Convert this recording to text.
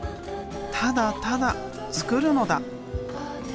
ただただ作るのだ！